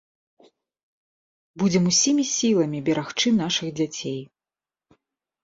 Будзем усімі сіламі берагчы нашых дзяцей!